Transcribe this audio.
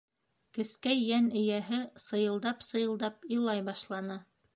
Кескәй йән эйәһе сыйылдап-сыйылдап илай башланы.